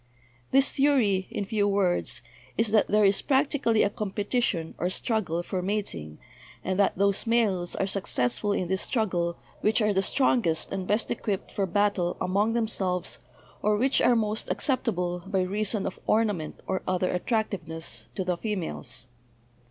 This theory, in few words, is that there is practically a competition or struggle for mating, and that those males are successful in this struggle which are the strongest and best equipped for battle among themselves, or which are most acceptable, by reason of ornament or other at tractiveness, to the females.